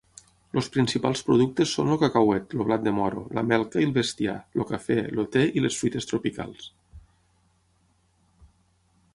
Els principals productes són el cacauet, el blat de moro, la melca i el bestiar, el cafè, el te i les fruites tropicals.